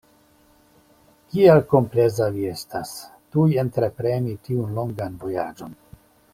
Kiel kompleza vi estas, tuj entrepreni tiun longan vojaĝon!